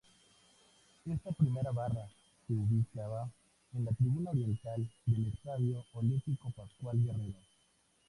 Esta primera barra se ubicaba en la tribuna oriental del Estadio Olímpico Pascual Guerrero.